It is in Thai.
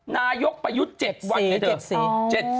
นายกไปยุทธ๗วันไอ้เถอะ